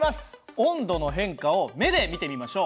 温度の変化を目で見てみましょう。